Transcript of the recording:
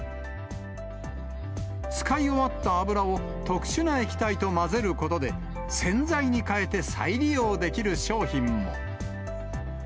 使い終わった油を、特殊な液体と混ぜることで、洗剤に変えて再利用できる商品も。